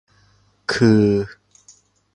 คือ